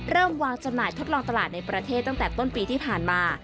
เริ่มวางจำหน่ายทดลองตลาดในประเทศตั้งแต่ต้นปีที่ผ่านมา